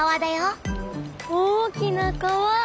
大きな川！